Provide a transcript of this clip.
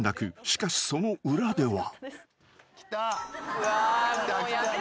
しかしその裏では］